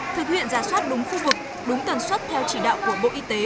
thực hiện giả soát đúng khu vực đúng tần suất theo chỉ đạo của bộ y tế